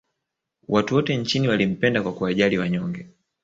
Watu wote nchini walimpenda kwa kuwajali wanyonge